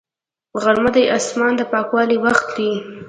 غرمه د اسمان د پاکوالي وخت دی